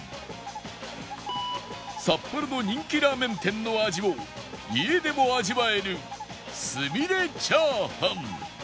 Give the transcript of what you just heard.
札幌の人気ラーメン店の味を家でも味わえるすみれチャーハン